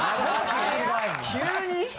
・急に？